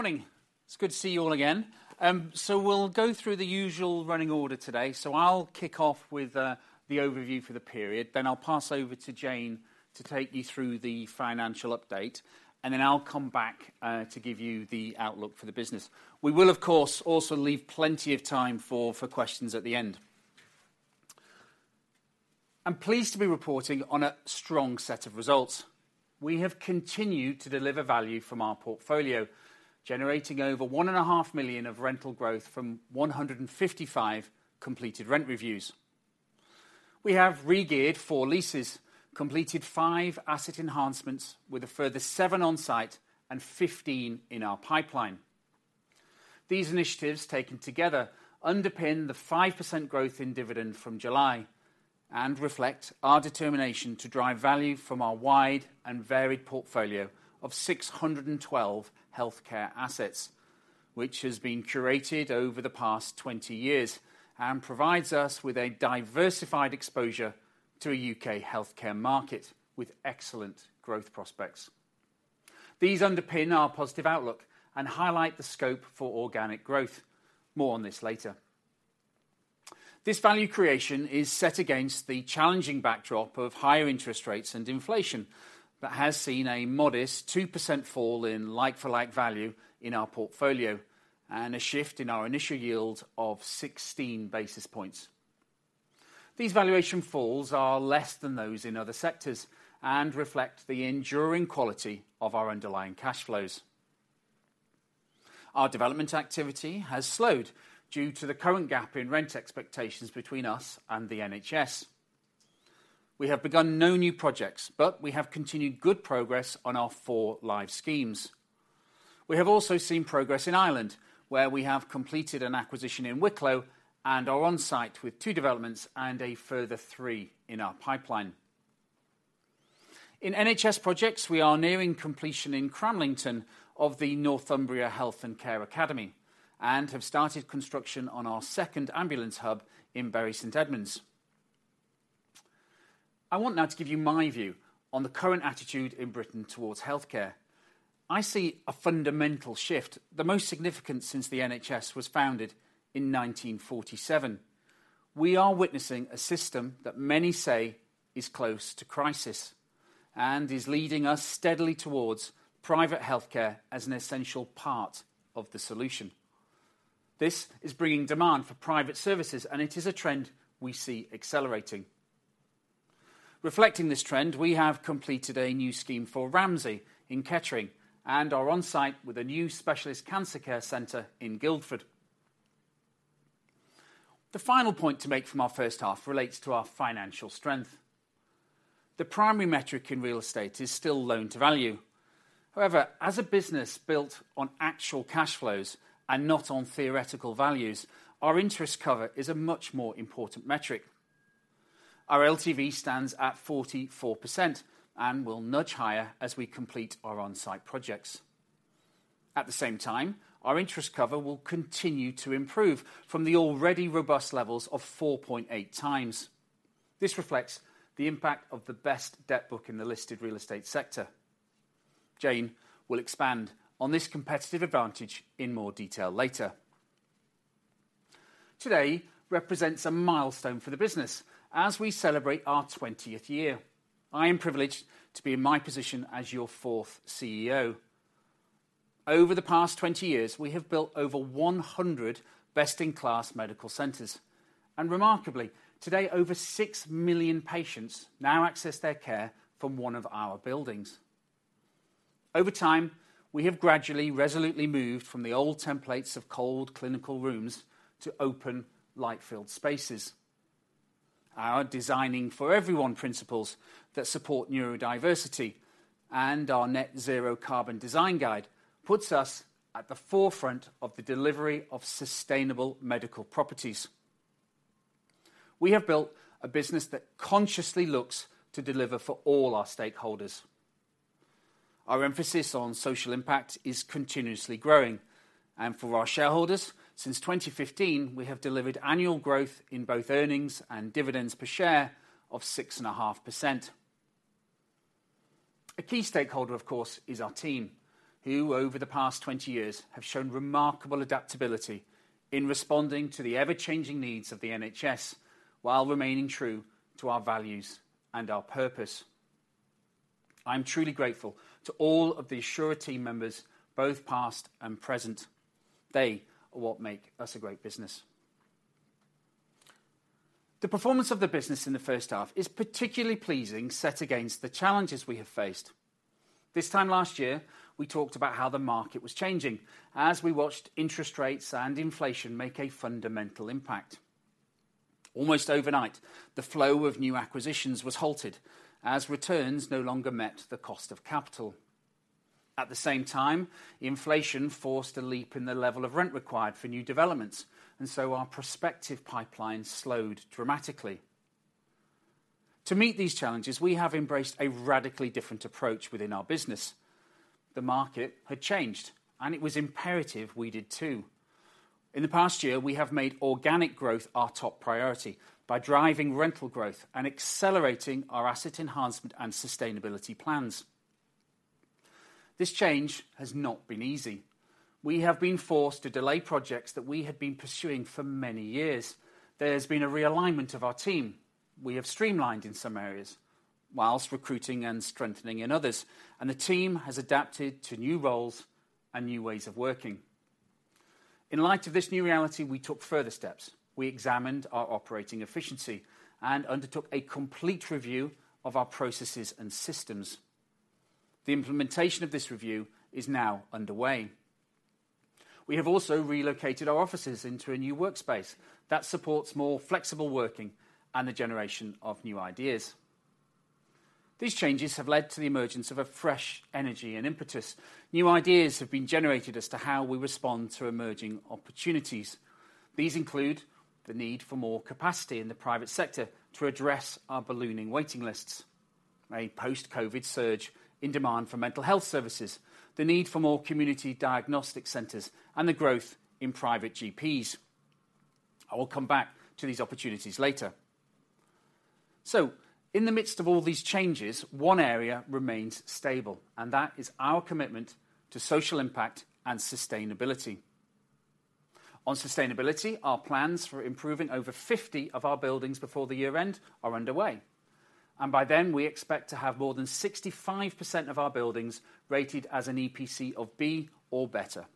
Good morning. It's good to see you all again. So we'll go through the usual running order today. I'll kick off with the overview for the period, then I'll pass over to Jayne to take you through the financial update, and then I'll come back to give you the outlook for the business. We will, of course, also leave plenty of time for questions at the end. I'm pleased to be reporting on a strong set of results. We have continued to deliver value from our portfolio, generating over 1.5 million of rental growth from 155 completed rent reviews. We have regeared four leases, completed five asset enhancements, with a further seven on site and 15 in our pipeline. These initiatives, taken together, underpin the 5% growth in dividend from July and reflect our determination to drive value from our wide and varied portfolio of 612 healthcare assets, which has been curated over the past 20 years and provides us with a diversified exposure to a UK healthcare market with excellent growth prospects. These underpin our positive outlook and highlight the scope for organic growth. More on this later. This value creation is set against the challenging backdrop of higher interest rates and inflation, but has seen a modest 2% fall in like-for-like value in our portfolio and a shift in our initial yield of 16 basis points. These valuation falls are less than those in other sectors and reflect the enduring quality of our underlying cash flows. Our development activity has slowed due to the current gap in rent expectations between us and the NHS. We have begun no new projects, but we have continued good progress on our four live schemes. We have also seen progress in Ireland, where we have completed an acquisition in Wicklow and are on site with two developments and a further three in our pipeline. In NHS projects, we are nearing completion in Cramlington of the Northumbria Health and Care Academy and have started construction on our second ambulance hub in Bury St Edmunds. I want now to give you my view on the current attitude in Britain towards healthcare. I see a fundamental shift, the most significant since the NHS was founded in 1947. We are witnessing a system that many say is close to crisis and is leading us steadily towards private healthcare as an essential part of the solution. This is bringing demand for private services, and it is a trend we see accelerating. Reflecting this trend, we have completed a new scheme for Ramsay in Kettering and are on site with a new specialist cancer care center in Guildford. The final point to make from our first half relates to our financial strength. The primary metric in real estate is still loan to value. However, as a business built on actual cash flows and not on theoretical values, our interest cover is a much more important metric. Our LTV stands at 44% and will nudge higher as we complete our on-site projects. At the same time, our interest cover will continue to improve from the already robust levels of 4.8x. This reflects the impact of the best debt book in the listed real estate sector. Jayne will expand on this competitive advantage in more detail later. Today represents a milestone for the business as we celebrate our 20th year. I am privileged to be in my position as your fourth CEO. Over the past 20 years, we have built over 100 best-in-class medical centers. And remarkably, today, over 6 million patients now access their care from one of our buildings. Over time, we have gradually, resolutely moved from the old templates of cold, clinical rooms to open, light-filled spaces. Our Designing for Everyone principles that support neurodiversity and our Net Zero Carbon Design Guide puts us at the forefront of the delivery of sustainable medical properties. We have built a business that consciously looks to deliver for all our stakeholders. Our emphasis on social impact is continuously growing, and for our shareholders, since 2015, we have delivered annual growth in both earnings and dividends per share of 6.5%. A key stakeholder, of course, is our team, who, over the past 20 years, have shown remarkable adaptability in responding to the ever-changing needs of the NHS, while remaining true to our values and our purpose. I'm truly grateful to all of the Assura team members, both past and present. They are what make us a great business. The performance of the business in the first half is particularly pleasing, set against the challenges we have faced. This time last year, we talked about how the market was changing as we watched interest rates and inflation make a fundamental impact. Almost overnight, the flow of new acquisitions was halted as returns no longer met the cost of capital. At the same time, inflation forced a leap in the level of rent required for new developments, and so our prospective pipeline slowed dramatically. To meet these challenges, we have embraced a radically different approach within our business. The market had changed, and it was imperative we did, too.... In the past year, we have made organic growth our top priority by driving rental growth and accelerating our asset enhancement and sustainability plans. This change has not been easy. We have been forced to delay projects that we had been pursuing for many years. There's been a realignment of our team. We have streamlined in some areas, whilst recruiting and strengthening in others, and the team has adapted to new roles and new ways of working. In light of this new reality, we took further steps. We examined our operating efficiency and undertook a complete review of our processes and systems. The implementation of this review is now underway. We have also relocated our offices into a new workspace that supports more flexible working and the generation of new ideas. These changes have led to the emergence of a fresh energy and impetus. New ideas have been generated as to how we respond to emerging opportunities. These include the need for more capacity in the private sector to address our ballooning waiting lists, a post-COVID surge in demand for mental health services, the need for more Community Diagnostic Centers, and the growth in private GPs. I will come back to these opportunities later. So in the midst of all these changes, one area remains stable, and that is our commitment to social impact and sustainability. On sustainability, our plans for improving over 50 of our buildings before the year end are underway, and by then, we expect to have more than 65% of our buildings rated as an EPC B or better.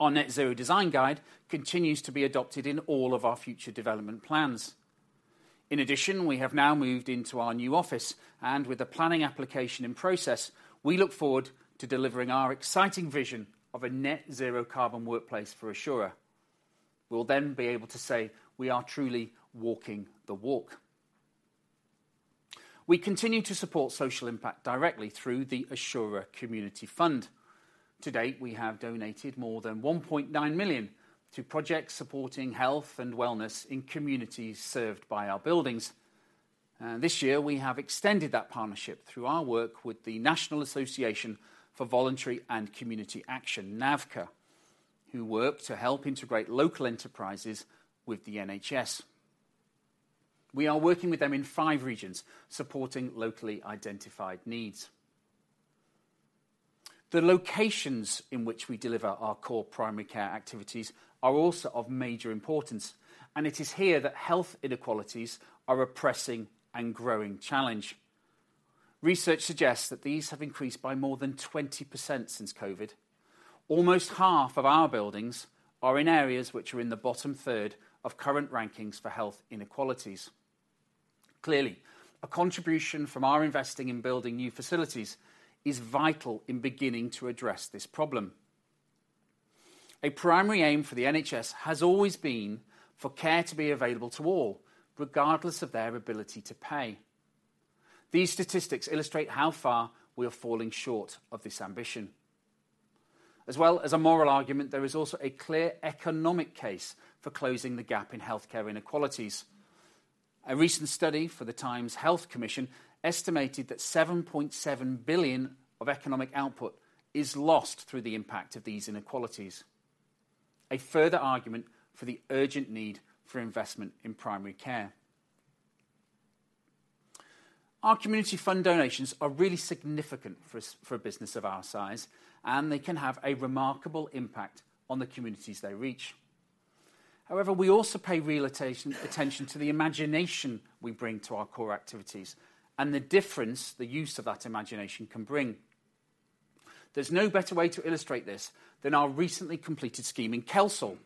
Our net zero design guide continues to be adopted in all of our future development plans. In addition, we have now moved into our new office, and with the planning application in process, we look forward to delivering our exciting vision of a net zero carbon workplace for Assura. We'll then be able to say we are truly walking the walk. We continue to support social impact directly through the Assura Community Fund. To date, we have donated more than 1.9 million to projects supporting health and wellness in communities served by our buildings. This year, we have extended that partnership through our work with the National Association for Voluntary and Community Action, NAVCA, who work to help integrate local enterprises with the NHS. We are working with them in five regions, supporting locally identified needs. The locations in which we deliver our core primary care activities are also of major importance, and it is here that health inequalities are a pressing and growing challenge. Research suggests that these have increased by more than 20% since COVID. Almost half of our buildings are in areas which are in the bottom third of current rankings for health inequalities. Clearly, a contribution from our investing in building new facilities is vital in beginning to address this problem. A primary aim for the NHS has always been for care to be available to all, regardless of their ability to pay. These statistics illustrate how far we are falling short of this ambition. As well as a moral argument, there is also a clear economic case for closing the gap in healthcare inequalities. A recent study for the Times Health Commission estimated that 7.7 billion of economic output is lost through the impact of these inequalities, a further argument for the urgent need for investment in primary care. Our community fund donations are really significant for a business of our size, and they can have a remarkable impact on the communities they reach. However, we also pay particular attention to the imagination we bring to our core activities and the difference the use of that imagination can bring. There's no better way to illustrate this than our recently completed scheme in Kelsall.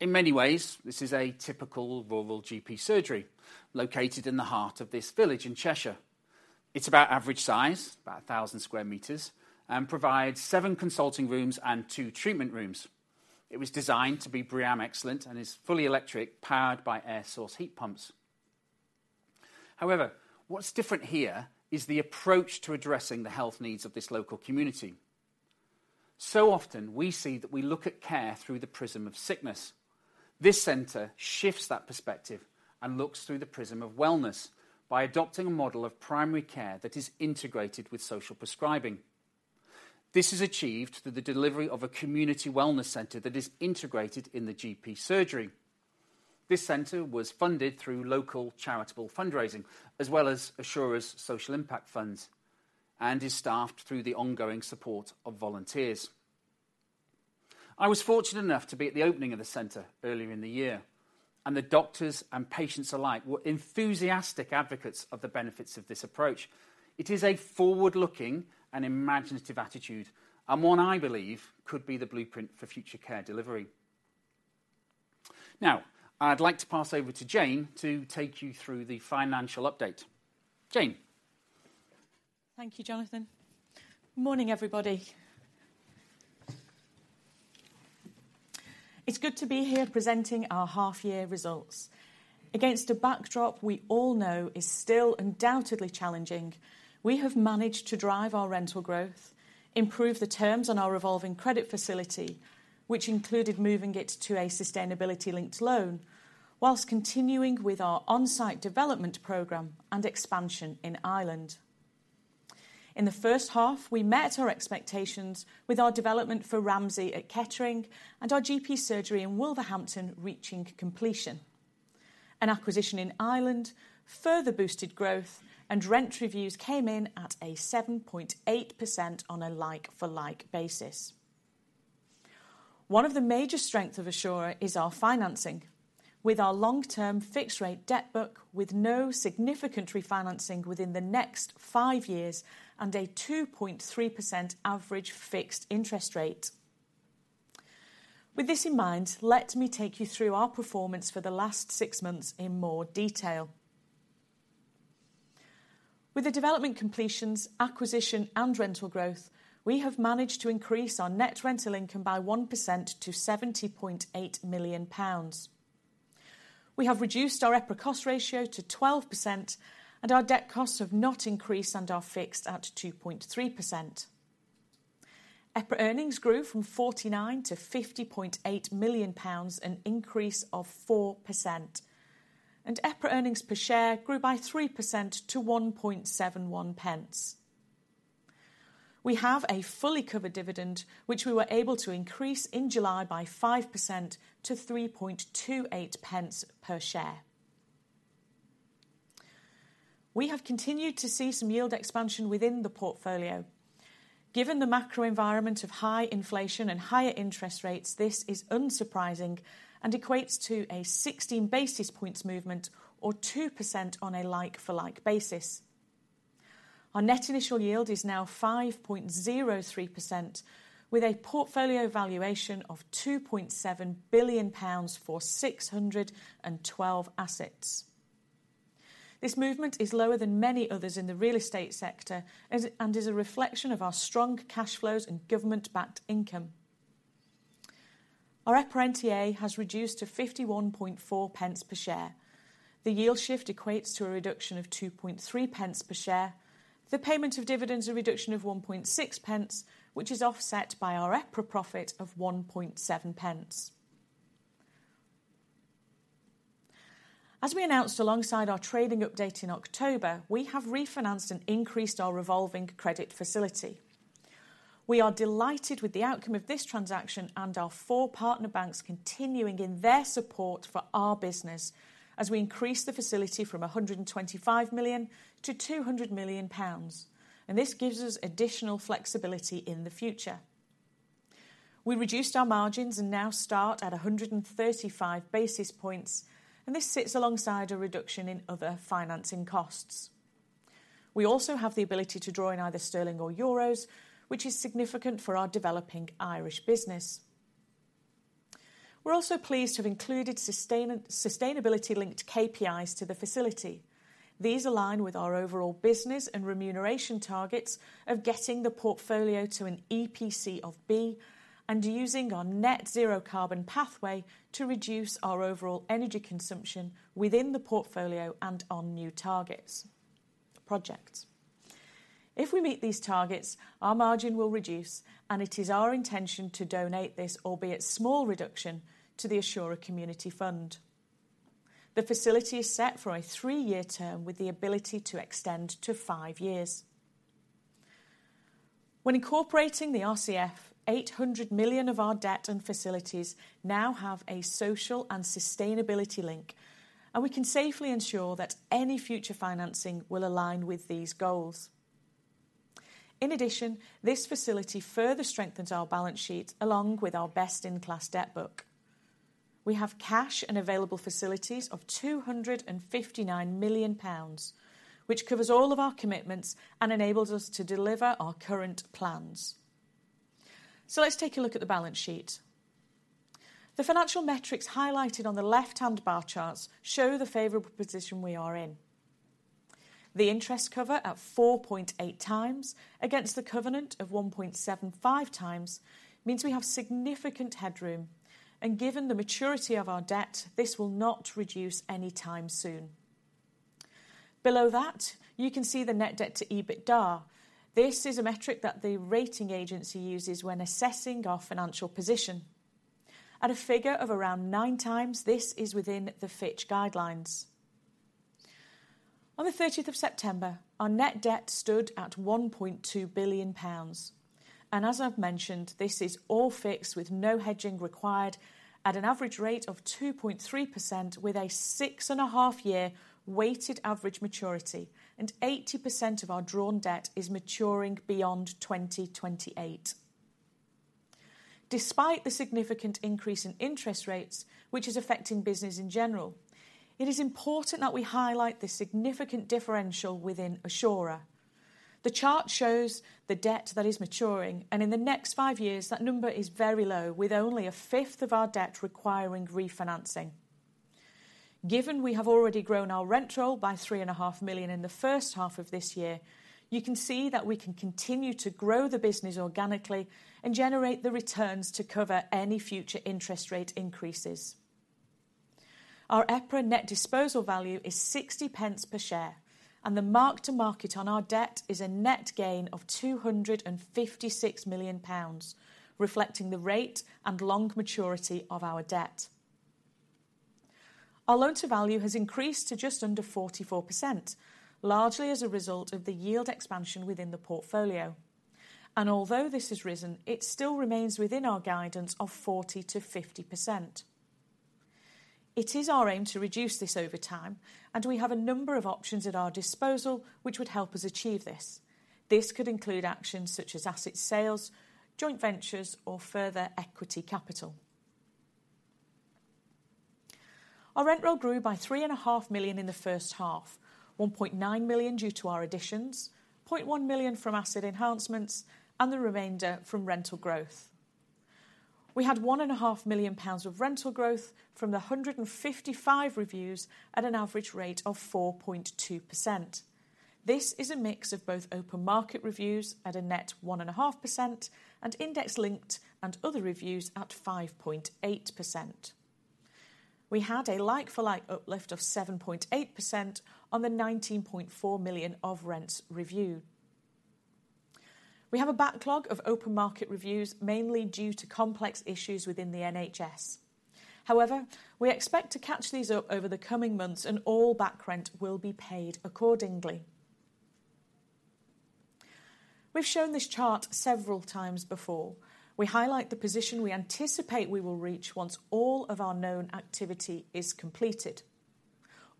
In many ways, this is a typical rural GP surgery located in the heart of this village in Cheshire. It's about average size, about 1,000 square meters, and provides seven consulting rooms and two treatment rooms. It was designed to be BREEAM Excellent and is fully electric, powered by air source heat pumps. However, what's different here is the approach to addressing the health needs of this local community. So often we see that we look at care through the prism of sickness. This center shifts that perspective and looks through the prism of wellness by adopting a model of primary care that is integrated with social prescribing. This is achieved through the delivery of a community wellness center that is integrated in the GP surgery. This center was funded through local charitable fundraising, as well as Assura's social impact funds, and is staffed through the ongoing support of volunteers. I was fortunate enough to be at the opening of the center earlier in the year, and the doctors and patients alike were enthusiastic advocates of the benefits of this approach. It is a forward-looking and imaginative attitude, and one I believe could be the blueprint for future care delivery. Now, I'd like to pass over to Jayne to take you through the financial update. Jayne? Thank you, Jonathan. Morning, everybody. It's good to be here presenting our half year results. Against a backdrop we all know is still undoubtedly challenging, we have managed to drive our rental growth, improve the terms on our revolving credit facility, which included moving it to a sustainability-linked loan, whilst continuing with our on-site development program and expansion in Ireland. In the first half, we met our expectations with our development for Ramsay at Kettering and our GP surgery in Wolverhampton reaching completion. An acquisition in Ireland further boosted growth, and rent reviews came in at 7.8% on a like-for-like basis. One of the major strength of Assura is our financing, with our long-term fixed rate debt book, with no significant refinancing within the next 5 years and a 2.3% average fixed interest rate. With this in mind, let me take you through our performance for the last 6 months in more detail. With the development completions, acquisition, and rental growth, we have managed to increase our net rental income by 1% to 70.8 million pounds. We have reduced our EPRA cost ratio to 12%, and our debt costs have not increased and are fixed at 2.3%. EPRA earnings grew from 49 million to 50.8 million pounds, an increase of 4%, and EPRA earnings per share grew by 3% to 1.71 pence. We have a fully covered dividend, which we were able to increase in July by 5% to 3.28 pence per share. We have continued to see some yield expansion within the portfolio. Given the macro environment of high inflation and higher interest rates, this is unsurprising and equates to a 16 basis points movement or 2% on a like-for-like basis. Our net initial yield is now 5.03%, with a portfolio valuation of 2.7 billion pounds for 612 assets. This movement is lower than many others in the real estate sector, as it is a reflection of our strong cash flows and government-backed income. Our EPRA NTA has reduced to 51.4 pence per share. The yield shift equates to a reduction of 2.3 pence per share. The payment of dividends, a reduction of 1.6 pence, which is offset by our EPRA profit of 1.7 pence. As we announced alongside our trading update in October, we have refinanced and increased our revolving credit facility. We are delighted with the outcome of this transaction and our four partner banks continuing in their support for our business, as we increase the facility from 125 million to 200 million pounds, and this gives us additional flexibility in the future. We reduced our margins and now start at 135 basis points, and this sits alongside a reduction in other financing costs. We also have the ability to draw in either sterling or euros, which is significant for our developing Irish business. We're also pleased to have included sustainability-linked KPIs to the facility. These align with our overall business and remuneration targets of getting the portfolio to an EPC of B and using our net zero carbon pathway to reduce our overall energy consumption within the portfolio and on new targets, projects. If we meet these targets, our margin will reduce, and it is our intention to donate this, albeit small reduction, to the Assura Community Fund. The facility is set for a 3-year term with the ability to extend to 5 years. When incorporating the RCF, 800 million of our debt and facilities now have a social and sustainability link, and we can safely ensure that any future financing will align with these goals. In addition, this facility further strengthens our balance sheet, along with our best-in-class debt book. We have cash and available facilities of 259 million pounds, which covers all of our commitments and enables us to deliver our current plans. So let's take a look at the balance sheet. The financial metrics highlighted on the left-hand bar charts show the favorable position we are in. The interest cover at 4.8x against the covenant of 1.75x means we have significant headroom, and given the maturity of our debt, this will not reduce any time soon. Below that, you can see the net debt to EBITDA. This is a metric that the rating agency uses when assessing our financial position. At a figure of around 9x, this is within the Fitch guidelines. On the 30th of September, our net debt stood at 1.2 billion pounds, and as I've mentioned, this is all fixed, with no hedging required at an average rate of 2.3%, with a 6.5-year weighted average maturity, and 80% of our drawn debt is maturing beyond 2028. Despite the significant increase in interest rates, which is affecting business in general, it is important that we highlight this significant differential within Assura. The chart shows the debt that is maturing, and in the next 5 years that number is very low, with only a fifth of our debt requiring refinancing. Given we have already grown our rental by 3.5 million in the first half of this year, you can see that we can continue to grow the business organically and generate the returns to cover any future interest rate increases. Our EPRA Net Disposal Value is 0.60 per share, and the Mark to Market on our debt is a net gain of 256 million pounds, reflecting the rate and long maturity of our debt. Our loan-to-value has increased to just under 44%, largely as a result of the yield expansion within the portfolio. Although this has risen, it still remains within our guidance of 40%-50%. It is our aim to reduce this over time, and we have a number of options at our disposal which would help us achieve this. This could include actions such as asset sales, joint ventures, or further equity capital. Our rent roll grew by 3.5 million in the first half, 1.9 million due to our additions, 0.1 million from asset enhancements, and the remainder from rental growth. We had 1.5 million pounds of rental growth from the 155 reviews at an average rate of 4.2%. This is a mix of both open market reviews at a net 1.5% and index-linked and other reviews at 5.8%. We had a like-for-like uplift of 7.8% on the 19.4 million of rents review. We have a backlog of open market reviews, mainly due to complex issues within the NHS. However, we expect to catch these up over the coming months, and all back rent will be paid accordingly. We've shown this chart several times before. We highlight the position we anticipate we will reach once all of our known activity is completed.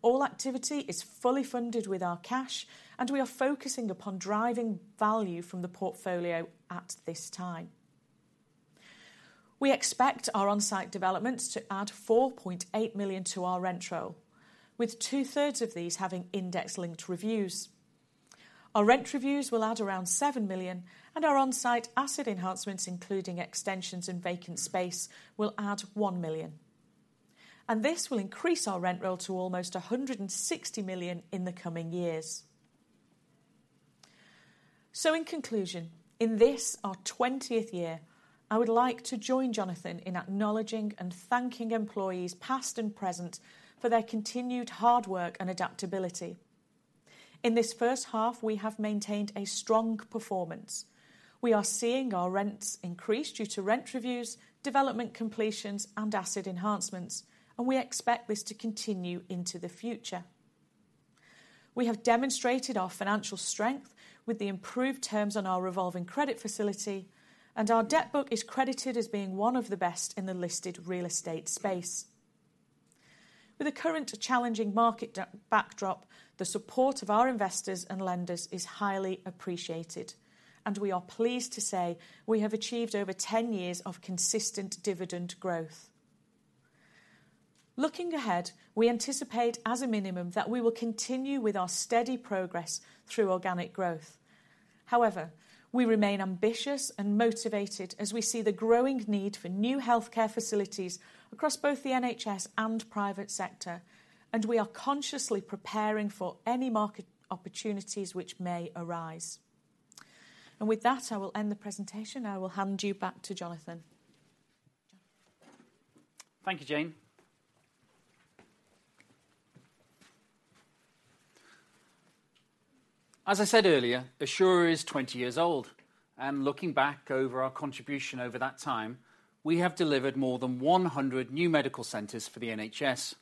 All activity is fully funded with our cash, and we are focusing upon driving value from the portfolio at this time. We expect our on-site developments to add 4.8 million to our rent roll, with two-thirds of these having index-linked reviews. Our rent reviews will add around 7 million, and our on-site asset enhancements, including extensions and vacant space, will add 1 million. This will increase our rent roll to almost 160 million in the coming years. In conclusion, in this, our 20th year, I would like to join Jonathan in acknowledging and thanking employees, past and present, for their continued hard work and adaptability. In this first half, we have maintained a strong performance. We are seeing our rents increase due to rent reviews, development completions, and asset enhancements, and we expect this to continue into the future. We have demonstrated our financial strength with the improved terms on our revolving credit facility, and our debt book is credited as being one of the best in the listed real estate space. With the current challenging market backdrop, the support of our investors and lenders is highly appreciated, and we are pleased to say we have achieved over 10 years of consistent dividend growth. Looking ahead, we anticipate, as a minimum, that we will continue with our steady progress through organic growth. However, we remain ambitious and motivated as we see the growing need for new healthcare facilities across both the NHS and private sector, and we are consciously preparing for any market opportunities which may arise. With that, I will end the presentation, and I will hand you back to Jonathan. Thank you, Jayne. As I said earlier, Assura is 20 years old, and looking back over our contribution over that time, we have delivered more than 100 new medical centers for the NHS.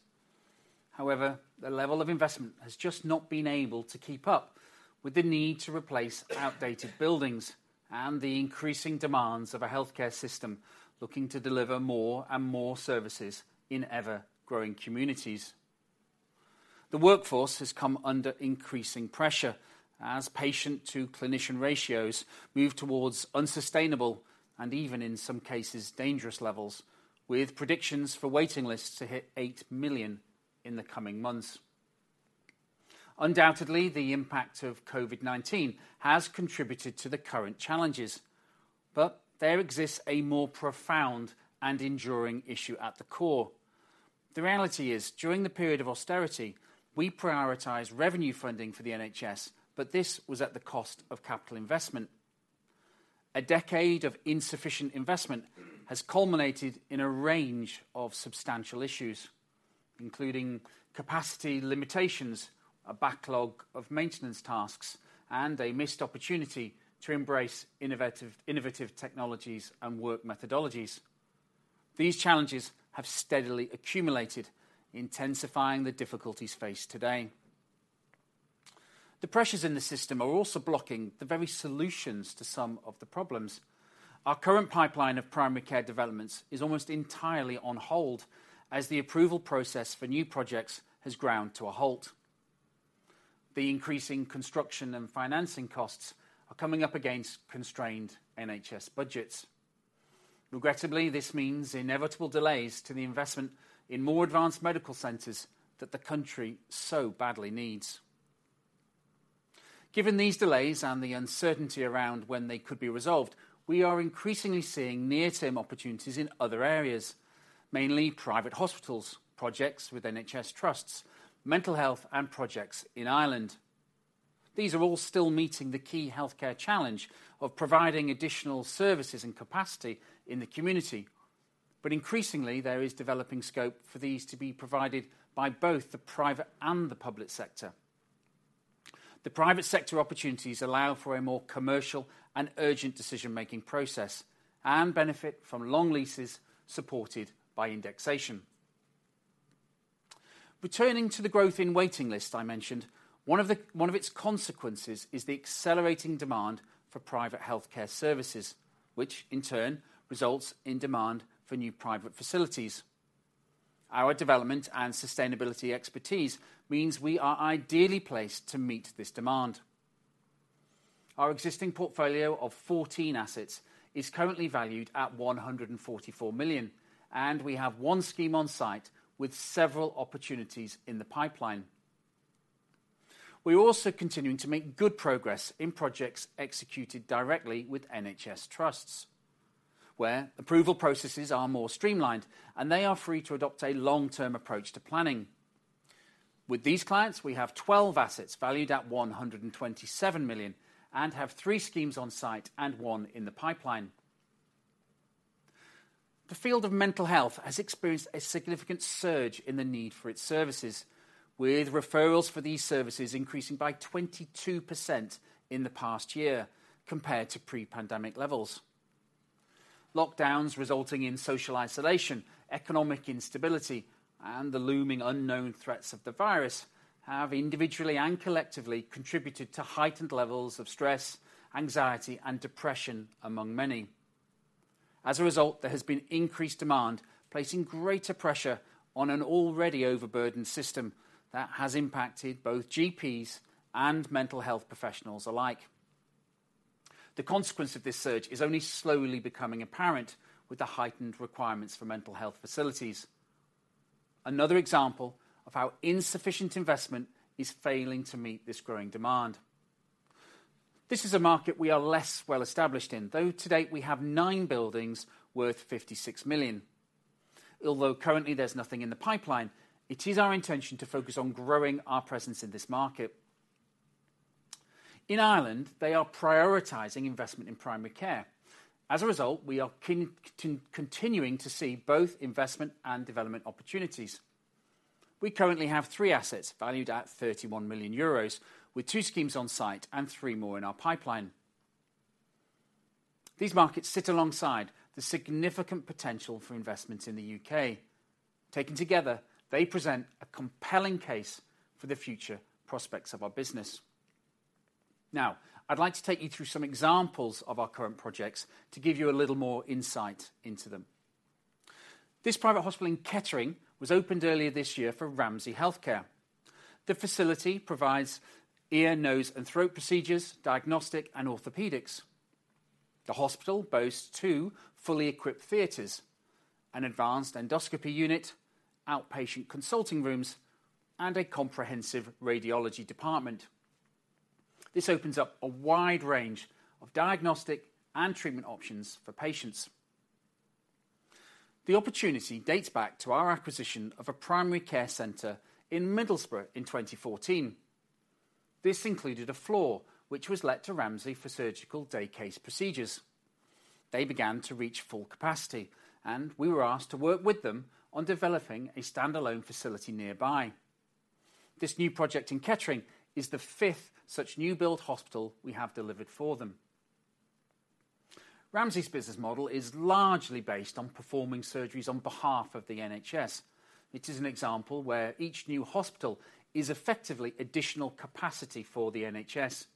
However, the level of investment has just not been able to keep up with the need to replace outdated buildings and the increasing demands of a healthcare system looking to deliver more and more services in ever-growing communities. The workforce has come under increasing pressure as patient-to-clinician ratios move towards unsustainable and even, in some cases, dangerous levels, with predictions for waiting lists to hit 8 million in the coming months. Undoubtedly, the impact of COVID-19 has contributed to the current challenges, but there exists a more profound and enduring issue at the core. The reality is, during the period of austerity, we prioritized revenue funding for the NHS, but this was at the cost of capital investment. A decade of insufficient investment has culminated in a range of substantial issues, including capacity limitations, a backlog of maintenance tasks, and a missed opportunity to embrace innovative technologies and work methodologies. These challenges have steadily accumulated, intensifying the difficulties faced today. The pressures in the system are also blocking the very solutions to some of the problems. Our current pipeline of primary care developments is almost entirely on hold, as the approval process for new projects has ground to a halt. The increasing construction and financing costs are coming up against constrained NHS budgets. Regrettably, this means inevitable delays to the investment in more advanced medical centers that the country so badly needs. Given these delays and the uncertainty around when they could be resolved, we are increasingly seeing near-term opportunities in other areas, mainly private hospitals, projects with NHS trusts, mental health, and projects in Ireland. These are all still meeting the key healthcare challenge of providing additional services and capacity in the community. But increasingly, there is developing scope for these to be provided by both the private and the public sector. ... The private sector opportunities allow for a more commercial and urgent decision-making process and benefit from long leases supported by indexation. Returning to the growth in waiting list I mentioned, one of the, one of its consequences is the accelerating demand for private healthcare services, which in turn results in demand for new private facilities. Our development and sustainability expertise means we are ideally placed to meet this demand. Our existing portfolio of 14 assets is currently valued at 144 million, and we have 1 scheme on site with several opportunities in the pipeline. We are also continuing to make good progress in projects executed directly with NHS trusts, where approval processes are more streamlined, and they are free to adopt a long-term approach to planning. With these clients, we have 12 assets valued at 127 million and have 3 schemes on site and 1 in the pipeline. The field of mental health has experienced a significant surge in the need for its services, with referrals for these services increasing by 22% in the past year compared to pre-pandemic levels. Lockdowns resulting in social isolation, economic instability, and the looming unknown threats of the virus have individually and collectively contributed to heightened levels of stress, anxiety, and depression among many. As a result, there has been increased demand, placing greater pressure on an already overburdened system that has impacted both GPs and mental health professionals alike. The consequence of this surge is only slowly becoming apparent with the heightened requirements for mental health facilities. Another example of how insufficient investment is failing to meet this growing demand. This is a market we are less well established in, though to date we have 9 buildings worth 56 million. Although currently there's nothing in the pipeline, it is our intention to focus on growing our presence in this market. In Ireland, they are prioritizing investment in primary care. As a result, we are continuing to see both investment and development opportunities. We currently have 3 assets valued at 31 million euros, with 2 schemes on site and 3 more in our pipeline. These markets sit alongside the significant potential for investment in the U.K. Taken together, they present a compelling case for the future prospects of our business. Now, I'd like to take you through some examples of our current projects to give you a little more insight into them. This private hospital in Kettering was opened earlier this year for Ramsay Health Care. The facility provides ear, nose, and throat procedures, diagnostic, and orthopedics. The hospital boasts two fully equipped theaters, an advanced endoscopy unit, outpatient consulting rooms, and a comprehensive radiology department. This opens up a wide range of diagnostic and treatment options for patients. The opportunity dates back to our acquisition of a primary care center in Middlesbrough in 2014. This included a floor which was let to Ramsay for surgical day case procedures. They began to reach full capacity, and we were asked to work with them on developing a standalone facility nearby. This new project in Kettering is the fifth such new build hospital we have delivered for them. Ramsay's business model is largely based on performing surgeries on behalf of the NHS. It is an example where each new hospital is effectively additional capacity for the NHS.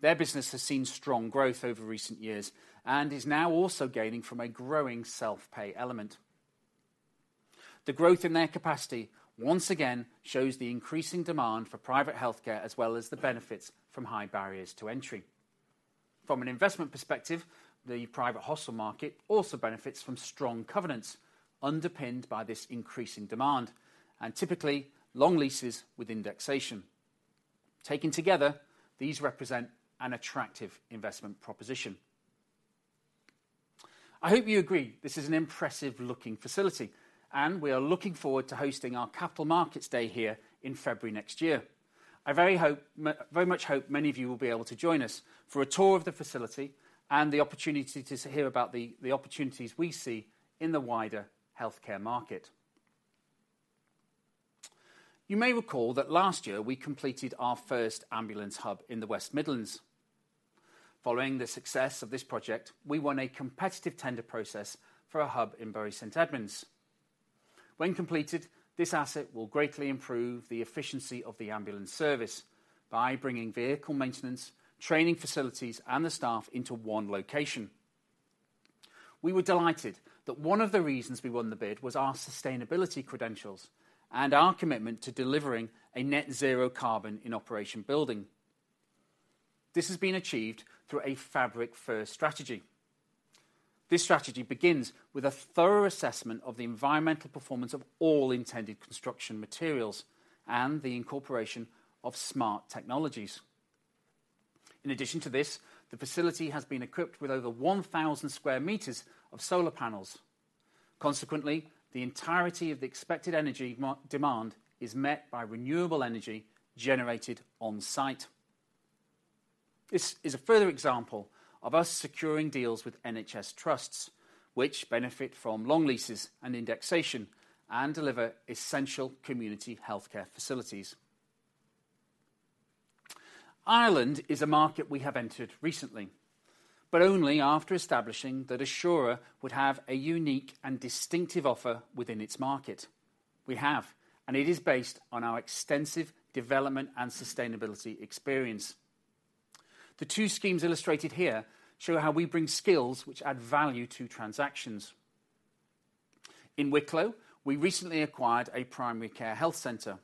Their business has seen strong growth over recent years and is now also gaining from a growing self-pay element. The growth in their capacity once again shows the increasing demand for private healthcare, as well as the benefits from high barriers to entry. From an investment perspective, the private hospital market also benefits from strong covenants underpinned by this increasing demand and typically long leases with indexation. Taken together, these represent an attractive investment proposition. I hope you agree this is an impressive looking facility, and we are looking forward to hosting our Capital Markets Day here in February next year. I very much hope many of you will be able to join us for a tour of the facility and the opportunity to hear about the opportunities we see in the wider healthcare market. You may recall that last year we completed our first ambulance hub in the West Midlands. Following the success of this project, we won a competitive tender process for a hub in Bury St Edmunds. When completed, this asset will greatly improve the efficiency of the ambulance service by bringing vehicle maintenance, training facilities, and the staff into one location. We were delighted that one of the reasons we won the bid was our sustainability credentials and our commitment to delivering a Net Zero Carbon in operation building. This has been achieved through a Fabric First Strategy. This strategy begins with a thorough assessment of the environmental performance of all intended construction materials and the incorporation of smart technologies. In addition to this, the facility has been equipped with over 1,000 sq m of solar panels. Consequently, the entirety of the expected energy demand is met by renewable energy generated on-site. This is a further example of us securing deals with NHS trusts, which benefit from long leases and indexation, and deliver essential community healthcare facilities. Ireland is a market we have entered recently, but only after establishing that Assura would have a unique and distinctive offer within its market. We have, and it is based on our extensive development and sustainability experience. The two schemes illustrated here show how we bring skills which add value to transactions. In Wicklow, we recently acquired a primary care health center.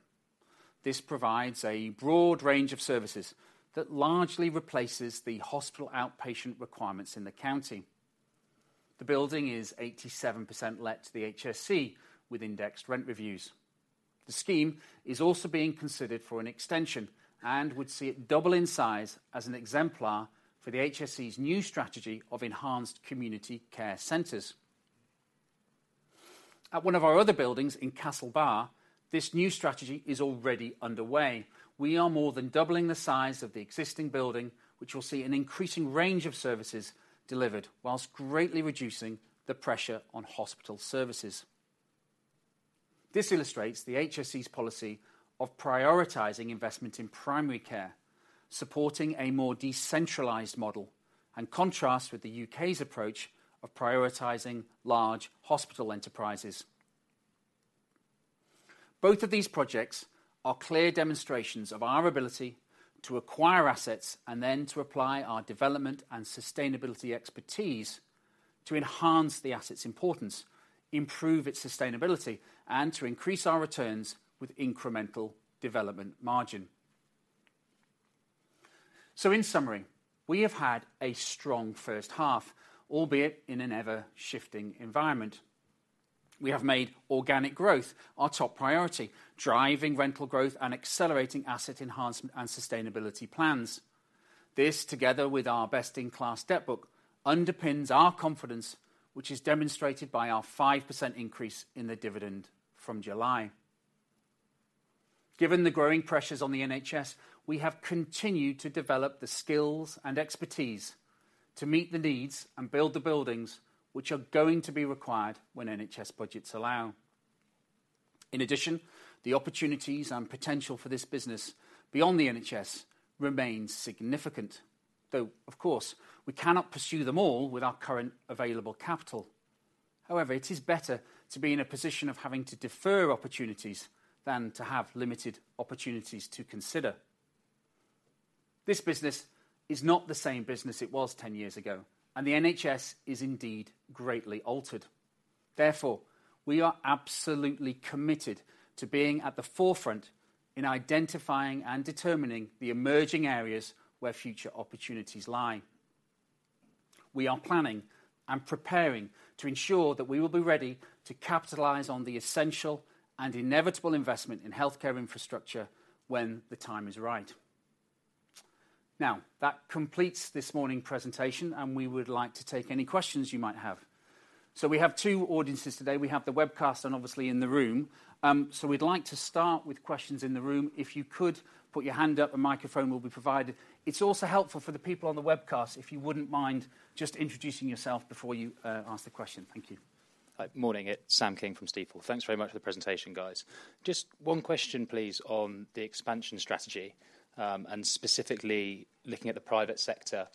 This provides a broad range of services that largely replaces the hospital outpatient requirements in the county. The building is 87% let to the HSE, with indexed rent reviews. The scheme is also being considered for an extension and would see it double in size as an exemplar for the HSE's new strategy of enhanced community care centers. At one of our other buildings in Castlebar, this new strategy is already underway. We are more than doubling the size of the existing building, which will see an increasing range of services delivered, while greatly reducing the pressure on hospital services. This illustrates the HSE's policy of prioritizing investment in primary care, supporting a more decentralized model, and contrasts with the UK's approach of prioritizing large hospital enterprises. Both of these projects are clear demonstrations of our ability to acquire assets and then to apply our development and sustainability expertise to enhance the asset's importance, improve its sustainability, and to increase our returns with incremental development margin. So in summary, we have had a strong first half, albeit in an ever-shifting environment. We have made organic growth our top priority, driving rental growth and accelerating asset enhancement and sustainability plans. This, together with our best-in-class debt book, underpins our confidence, which is demonstrated by our 5% increase in the dividend from July. Given the growing pressures on the NHS, we have continued to develop the skills and expertise to meet the needs and build the buildings which are going to be required when NHS budgets allow. In addition, the opportunities and potential for this business beyond the NHS remains significant, though, of course, we cannot pursue them all with our current available capital. However, it is better to be in a position of having to defer opportunities than to have limited opportunities to consider. This business is not the same business it was 10 years ago, and the NHS is indeed greatly altered. Therefore, we are absolutely committed to being at the forefront in identifying and determining the emerging areas where future opportunities lie. We are planning and preparing to ensure that we will be ready to capitalize on the essential and inevitable investment in healthcare infrastructure when the time is right. Now, that completes this morning's presentation, and we would like to take any questions you might have. So we have two audiences today. We have the webcast, and obviously, in the room. So we'd like to start with questions in the room. If you could put your hand up, a microphone will be provided. It's also helpful for the people on the webcast, if you wouldn't mind just introducing yourself before you ask the question. Thank you. Hi. Morning, it's Sam King from Stifel. Thanks very much for the presentation, guys. Just one question, please, on the expansion strategy, and specifically looking at the private sector,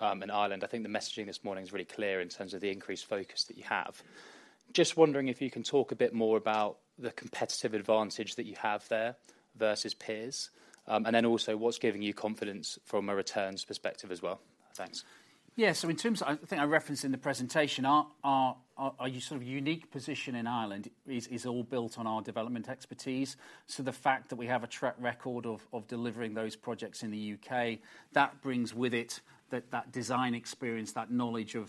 in Ireland. I think the messaging this morning is really clear in terms of the increased focus that you have. Just wondering if you can talk a bit more about the competitive advantage that you have there versus peers, and then also, what's giving you confidence from a returns perspective as well? Thanks. Yeah, so in terms of, I think I referenced in the presentation, our sort of unique position in Ireland is all built on our development expertise. So the fact that we have a track record of delivering those projects in the UK, that brings with it that design experience, that knowledge of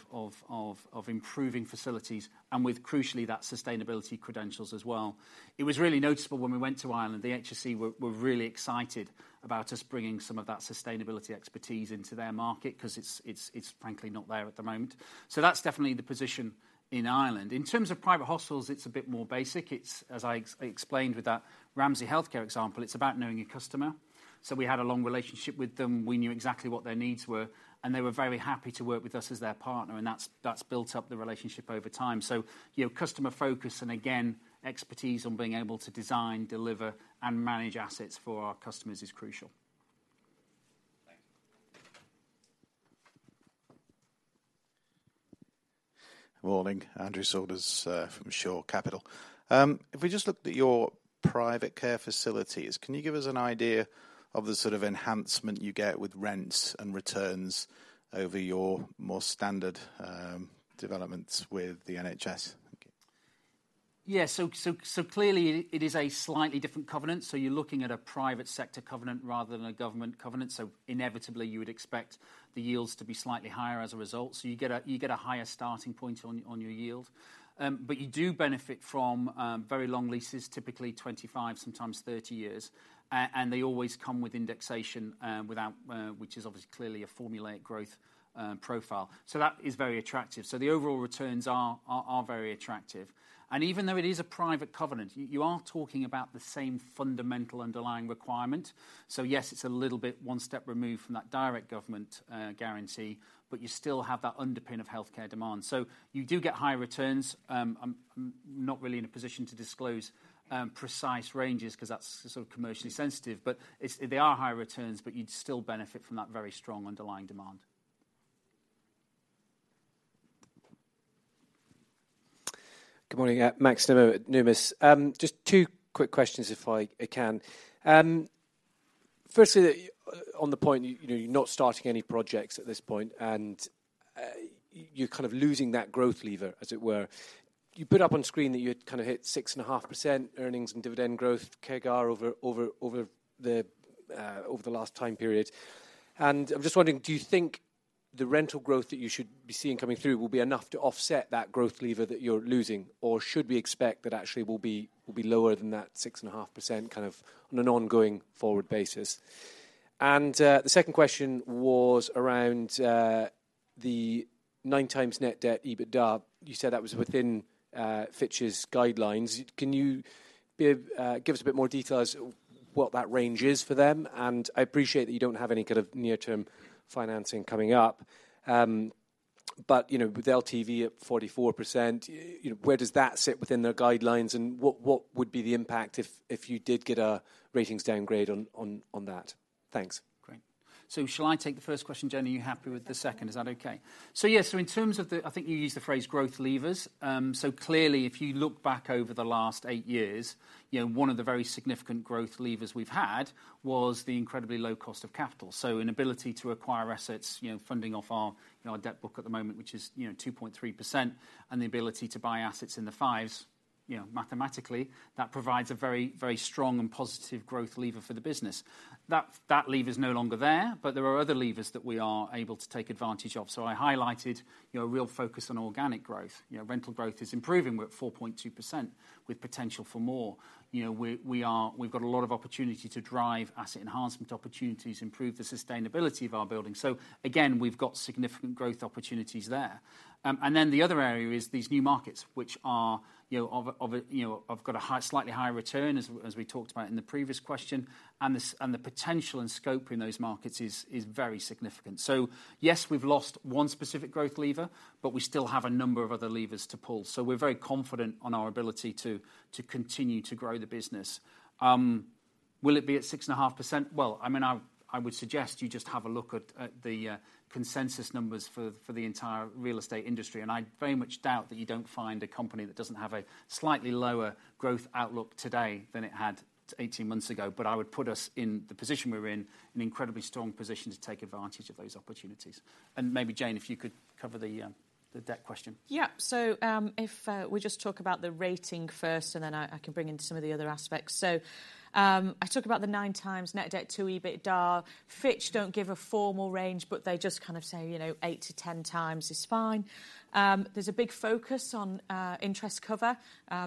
improving facilities, and with crucially, that sustainability credentials as well. It was really noticeable when we went to Ireland, the HSE were really excited about us bringing some of that sustainability expertise into their market, 'cause it's frankly not there at the moment. So that's definitely the position in Ireland. In terms of private hospitals, it's a bit more basic. It's, as I explained with that Ramsay Health Care example, it's about knowing your customer. So we had a long relationship with them. We knew exactly what their needs were, and they were very happy to work with us as their partner, and that's built up the relationship over time. So, you know, customer focus, and again, expertise on being able to design, deliver, and manage assets for our customers is crucial. Thanks. Morning, Andrew Saunders, from Shore Capital. If we just looked at your private care facilities, can you give us an idea of the sort of enhancement you get with rents and returns over your more standard developments with the NHS? Thank you. Yeah, so clearly, it is a slightly different covenant, so you're looking at a private sector covenant rather than a government covenant, so inevitably, you would expect the yields to be slightly higher as a result, so you get a higher starting point on your yield. But you do benefit from very long leases, typically 25, sometimes 30 years. And they always come with indexation without which is obviously clearly a formulaic growth profile. So that is very attractive. So the overall returns are very attractive, and even though it is a private covenant, you are talking about the same fundamental underlying requirement. So yes, it's a little bit one step removed from that direct government guarantee, but you still have that underpin of healthcare demand. So you do get high returns. I'm not really in a position to disclose precise ranges, 'cause that's sort of commercially sensitive, but they are high returns, but you'd still benefit from that very strong underlying demand. Good morning, Max Nimmo, Numis. Just two quick questions if I can. Firstly, on the point, you know, you're not starting any projects at this point, and you're kind of losing that growth lever, as it were. You put up on screen that you had kind of hit 6.5% earnings and dividend growth CAGR over the last time period. And I'm just wondering, do you think the rental growth that you should be seeing coming through will be enough to offset that growth lever that you're losing? Or should we expect that actually will be lower than that 6.5%, kind of on an ongoing forward basis? And the second question was around the 9x net debt, EBITDA. You said that was within Fitch's guidelines. Can you give us a bit more detail as what that range is for them? I appreciate that you don't have any kind of near-term financing coming up. But you know, with LTV at 44%, you know, where does that sit within their guidelines, and what would be the impact if you did get a ratings downgrade on that? Thanks. Great. So shall I take the first question, Jayne, are you happy with the second? Is that okay? So yes, so in terms of the, I think you used the phrase growth levers. So clearly, if you look back over the last eight years, you know, one of the very significant growth levers we've had was the incredibly low cost of capital. So an ability to acquire assets, you know, funding off our, you know, our debt book at the moment, which is, you know, 2.3%, and the ability to buy assets in the 5s, you know, mathematically, that provides a very, very strong and positive growth lever for the business. That, that lever's no longer there, but there are other levers that we are able to take advantage of. So I highlighted, you know, a real focus on organic growth. You know, rental growth is improving. We're at 4.2% with potential for more. You know, we've got a lot of opportunity to drive asset enhancement opportunities, improve the sustainability of our buildings. So again, we've got significant growth opportunities there. And then the other area is these new markets, which are, you know, have got a high, slightly higher return, as we talked about in the previous question, and the potential and scope in those markets is very significant. So yes, we've lost one specific growth lever, but we still have a number of other levers to pull, so we're very confident on our ability to continue to grow the business. Will it be at 6.5%? Well, I mean, I would suggest you just have a look at the consensus numbers for the entire real estate industry, and I very much doubt that you don't find a company that doesn't have a slightly lower growth outlook today than it had 18 months ago. But I would put us, in the position we're in, in incredibly strong position to take advantage of those opportunities. And maybe, Jayne, if you could cover the debt question. Yeah. So, if we just talk about the rating first, and then I can bring in some of the other aspects. So, I talk about the 9x net debt to EBITDA. Fitch don't give a formal range, but they just kind of say, you know, 8x-10x is fine. There's a big focus on interest cover.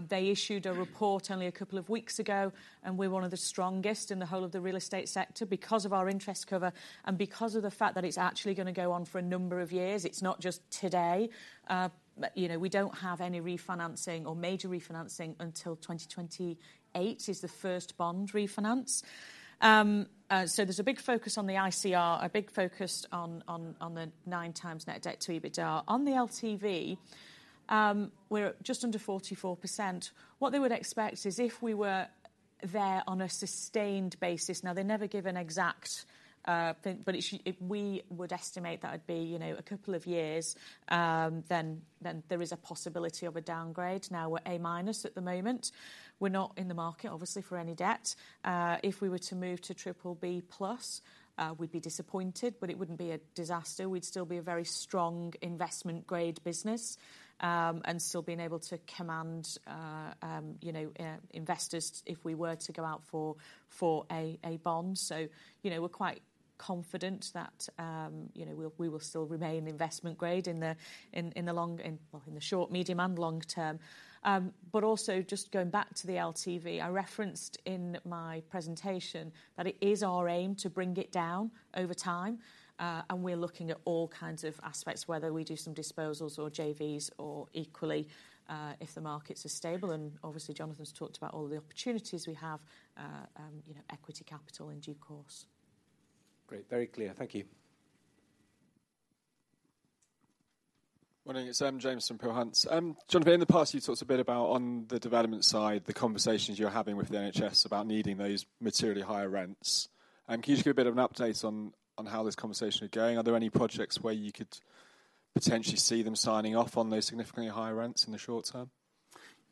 They issued a report only a couple of weeks ago, and we're one of the strongest in the whole of the real estate sector because of our interest cover and because of the fact that it's actually gonna go on for a number of years. It's not just today. But, you know, we don't have any refinancing or major refinancing until 2028, is the first bond refinance. So there's a big focus on the ICR, a big focus on the 9x net debt to EBITDA. On the LTV, we're just under 44%. What they would expect is if we were there on a sustained basis, now, they never give an exact thing, but it's, if we would estimate that would be, you know, a couple of years, then there is a possibility of a downgrade. Now, we're A- at the moment. We're not in the market, obviously, for any debt. If we were to move to BBB+, we'd be disappointed, but it wouldn't be a disaster. We'd still be a very strong investment grade business, and still being able to command, you know, investors if we were to go out for a bond. So, you know, we're quite confident that, you know, we'll, we will still remain investment grade in the short, medium, and long term. But also just going back to the LTV, I referenced in my presentation that it is our aim to bring it down over time, and we're looking at all kinds of aspects, whether we do some disposals or JVs or equally, if the markets are stable, and obviously, Jonathan's talked about all the opportunities we have, you know, equity capital in due course. Great. Very clear. Thank you. Morning, it's James from Peel Hunt. Jonathan, in the past, you talked a bit about, on the development side, the conversations you're having with the NHS about needing those materially higher rents. Can you just give a bit of an update on, on how this conversation is going? Are there any projects where you could potentially see them signing off on those significantly higher rents in the short term?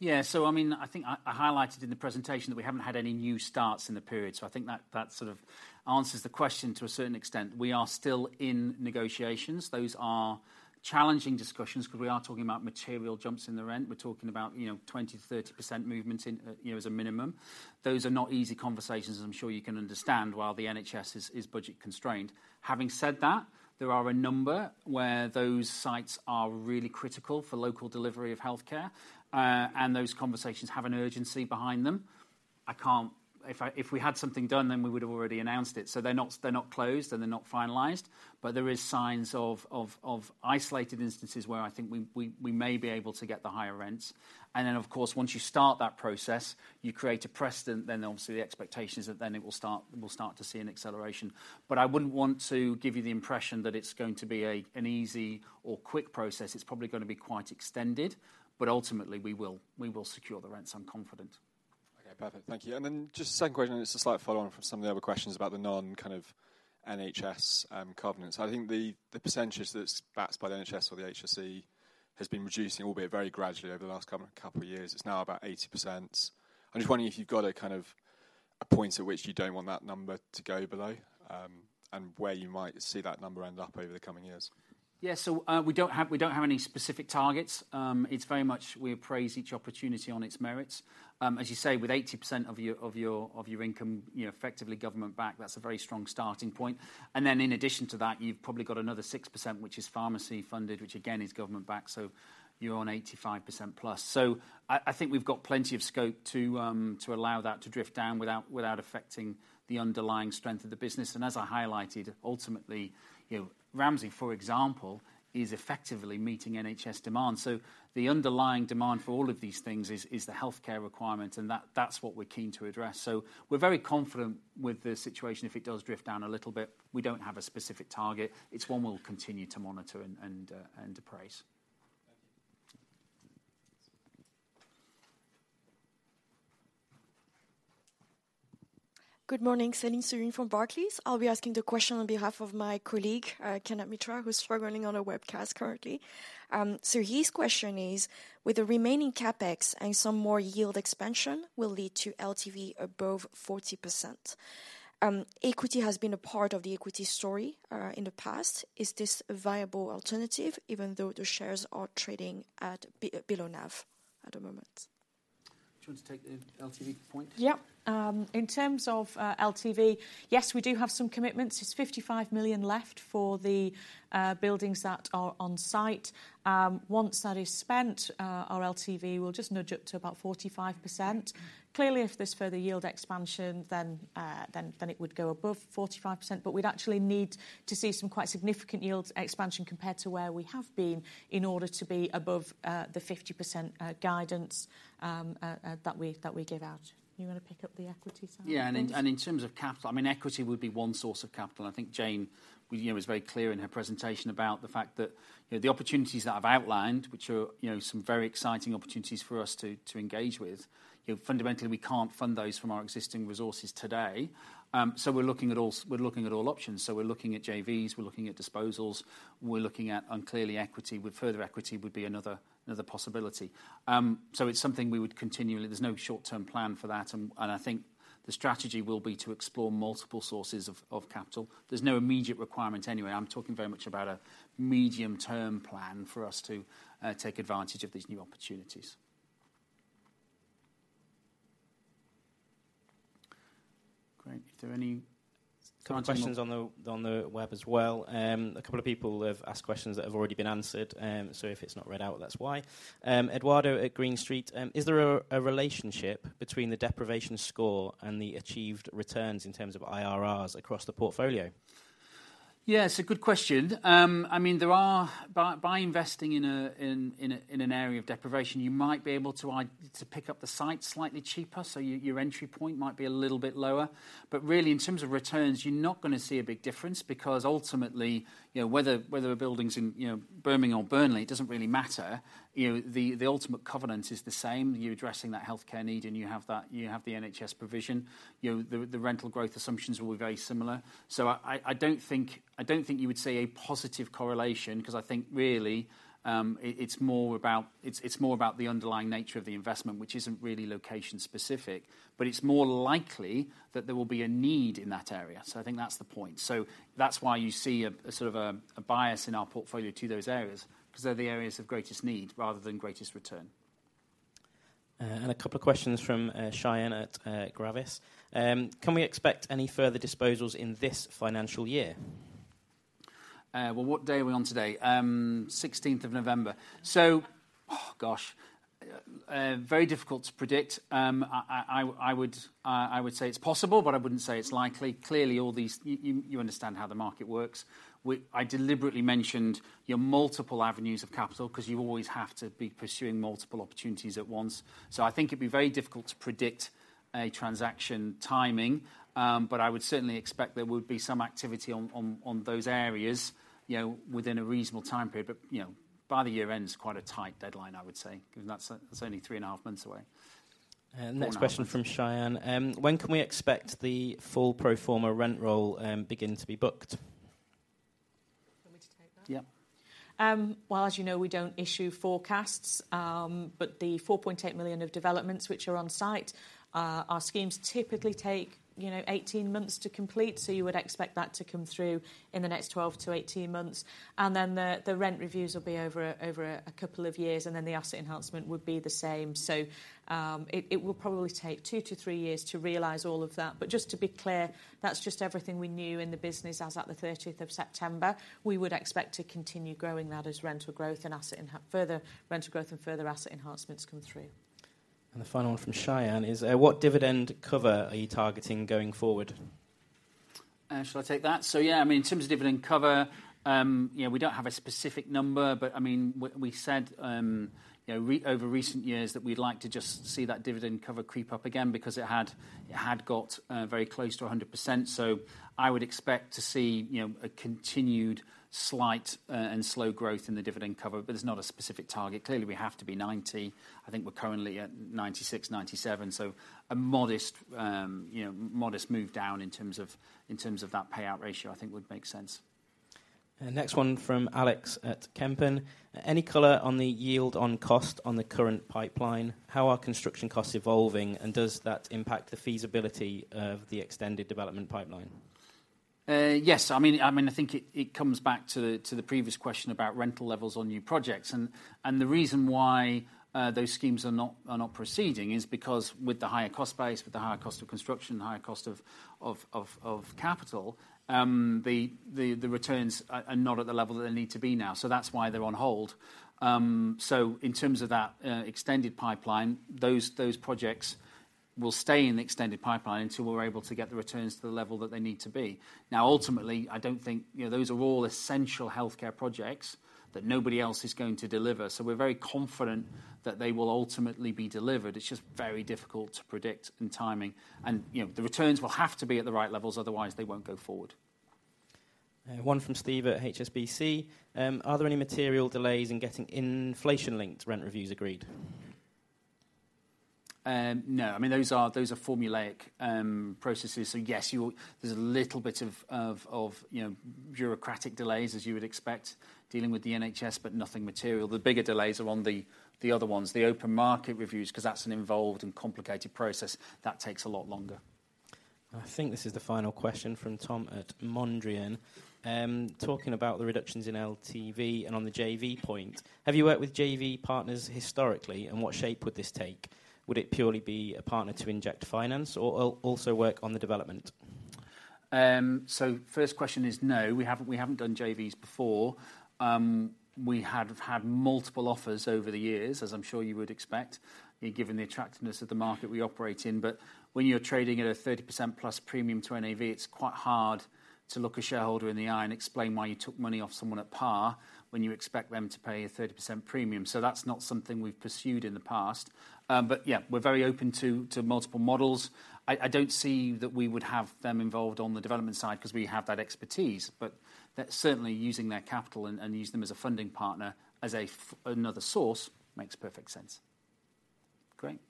Yeah. So I mean, I think I highlighted in the presentation that we haven't had any new starts in the period, so I think that sort of answers the question to a certain extent. We are still in negotiations. Those are challenging discussions, because we are talking about material jumps in the rent. We're talking about, you know, 20%-30% movements in, you know, as a minimum. Those are not easy conversations, as I'm sure you can understand, while the NHS is budget-constrained. Having said that, there are a number where those sites are really critical for local delivery of healthcare, and those conversations have an urgency behind them. I can't—if we had something done, then we would have already announced it. So they're not closed, and they're not finalized, but there are signs of isolated instances where I think we may be able to get the higher rents. And then, of course, once you start that process, you create a precedent, then obviously the expectation is that then it will start, we'll start to see an acceleration. But I wouldn't want to give you the impression that it's going to be an easy or quick process. It's probably gonna be quite extended, but ultimately, we will secure the rents, I'm confident. Okay, perfect. Thank you. Then just a second question, and it's a slight follow-on from some of the other questions about the non-kind of NHS covenants. I think the percentage that's backed by the NHS or the HSE has been reducing, albeit very gradually, over the last couple of years. It's now about 80%. I'm just wondering if you've got a kind of a point at which you don't want that number to go below, and where you might see that number end up over the coming years? Yeah. So, we don't have, we don't have any specific targets. It's very much we appraise each opportunity on its merits. As you say, with 80% of your income, you know, effectively government-backed, that's a very strong starting point. And then in addition to that, you've probably got another 6%, which is pharmacy-funded, which again, is government-backed, so you're on 85%+. So I think we've got plenty of scope to allow that to drift down without affecting the underlying strength of the business. And as I highlighted, ultimately, you know, Ramsay, for example, is effectively meeting NHS demand. So the underlying demand for all of these things is the healthcare requirement, and that's what we're keen to address. So we're very confident with the situation if it does drift down a little bit. We don't have a specific target. It's one we'll continue to monitor and appraise. Thank you. Good morning. Céline Soo-Huynh from Barclays. I'll be asking the question on behalf of my colleague, Kenneth Mitra, who's struggling on a webcast currently. So his question is: With the remaining CapEx and some more yield expansion, will lead to LTV above 40%, equity has been a part of the equity story, in the past. Is this a viable alternative, even though the shares are trading at below NAV at the moment? Do you want to take the LTV point? Yep. In terms of LTV, yes, we do have some commitments. There's 55 million left for the buildings that are on site. Once that is spent, our LTV will just nudge up to about 45%. Clearly, if there's further yield expansion, then it would go above 45%. But we'd actually need to see some quite significant yields expansion compared to where we have been, in order to be above the 50% guidance that we give out. You wanna pick up the equity side of things? Yeah, and in terms of capital, I mean, equity would be one source of capital. I think Jayne, you know, was very clear in her presentation about the fact that, you know, the opportunities that I've outlined, which are, you know, some very exciting opportunities for us to engage with, you know, fundamentally, we can't fund those from our existing resources today. So we're looking at all options. So we're looking at JVs, we're looking at disposals. And clearly, equity, with further equity would be another possibility. So it's something we would continually. There's no short-term plan for that, and I think the strategy will be to explore multiple sources of capital. There's no immediate requirement anyway. I'm talking very much about a medium-term plan for us to take advantage of these new opportunities. Great. Are there any comments? Questions on the web as well? A couple of people have asked questions that have already been answered, so if it's not read out, that's why. Edoardo at Green Street, "Is there a relationship between the deprivation score and the achieved returns in terms of IRRs across the portfolio? Yeah, it's a good question. I mean, there are... By investing in an area of deprivation, you might be able to pick up the site slightly cheaper, so your entry point might be a little bit lower. But really, in terms of returns, you're not gonna see a big difference, because ultimately, you know, whether a building's in, you know, Birmingham or Burnley, it doesn't really matter. You know, the ultimate covenant is the same. You're addressing that healthcare need, and you have the NHS provision. You know, the rental growth assumptions will be very similar. So I don't think you would see a positive correlation, 'cause I think really, it's more about the underlying nature of the investment, which isn't really location specific. But it's more likely that there will be a need in that area, so I think that's the point. So that's why you see a sort of a bias in our portfolio to those areas, 'cause they're the areas of greatest need rather than greatest return. A couple of questions from Cheyenne at Gravis. Can we expect any further disposals in this financial year? Well, what day are we on today? 16th of November. So, oh, gosh, very difficult to predict. I would say it's possible, but I wouldn't say it's likely. Clearly, all these... you understand how the market works. I deliberately mentioned your multiple avenues of capital, 'cause you always have to be pursuing multiple opportunities at once. So I think it'd be very difficult to predict a transaction timing, but I would certainly expect there would be some activity on those areas, you know, within a reasonable time period. But, you know, by the year end is quite a tight deadline, I would say, 'cause that's, it's only three and a half months away. Next question from Cheyenne. When can we expect the full pro forma rent roll begin to be booked? You want me to take that? Yeah. Well, as you know, we don't issue forecasts, but the 4.8 million of developments which are on site, our schemes typically take, you know, 18 months to complete. So you would expect that to come through in the next 12-18 months, and then the rent reviews will be over a couple of years, and then the asset enhancement would be the same. So, it will probably take 2-3 years to realize all of that. But just to be clear, that's just everything we knew in the business as at the 30th of September. We would expect to continue growing that as rental growth and asset enhance further rental growth and further asset enhancements come through. The final one from Cheyenne is: What dividend cover are you targeting going forward? Shall I take that? So yeah, I mean, in terms of dividend cover, you know, we don't have a specific number, but, I mean, we said, you know, over recent years that we'd like to just see that dividend cover creep up again because it had, it had got, very close to 100%. So I would expect to see, you know, a continued slight, and slow growth in the dividend cover, but there's not a specific target. Clearly, we have to be 90. I think we're currently at 96, 97, so a modest, you know, modest move down in terms of, in terms of that payout ratio, I think would make sense. Next one from Alex at Kempen. Any color on the yield on cost on the current pipeline? How are construction costs evolving, and does that impact the feasibility of the extended development pipeline? Yes. I mean, I think it comes back to the previous question about rental levels on new projects. And the reason why those schemes are not proceeding is because with the higher cost base, with the higher cost of construction, the higher cost of capital, the returns are not at the level that they need to be now. So that's why they're on hold. So in terms of that extended pipeline, those projects will stay in the extended pipeline until we're able to get the returns to the level that they need to be. Now, ultimately, I don't think... You know, those are all essential healthcare projects that nobody else is going to deliver, so we're very confident that they will ultimately be delivered. It's just very difficult to predict in timing. You know, the returns will have to be at the right levels, otherwise they won't go forward. One from Steve at HSBC. Are there any material delays in getting inflation-linked rent reviews agreed? No. I mean, those are, those are formulaic processes, so yes, you'll, there's a little bit of, you know, bureaucratic delays, as you would expect, dealing with the NHS, but nothing material. The bigger delays are on the other ones, the open market reviews, 'cause that's an involved and complicated process. That takes a lot longer. I think this is the final question from Tom at Mondrian. Talking about the reductions in LTV and on the JV point, have you worked with JV partners historically, and what shape would this take? Would it purely be a partner to inject finance or also work on the development? So first question is no, we haven't done JVs before. We have had multiple offers over the years, as I'm sure you would expect, given the attractiveness of the market we operate in. But when you're trading at a 30%+ premium to NAV, it's quite hard to look a shareholder in the eye and explain why you took money off someone at par, when you expect them to pay a 30% premium. So that's not something we've pursued in the past. But yeah, we're very open to multiple models. I don't see that we would have them involved on the development side, 'cause we have that expertise, but they're certainly using their capital and use them as a funding partner, as another source, makes perfect sense. Great.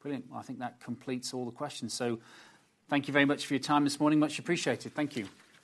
Brilliant. I think that completes all the questions. Thank you very much for your time this morning. Much appreciated. Thank you.